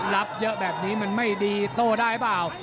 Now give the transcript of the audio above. รับเยอะแบบนี้มันไม่ดีโต้ได้เปล่า